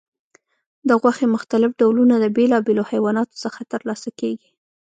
د غوښې مختلف ډولونه د بیلابیلو حیواناتو څخه ترلاسه کېږي.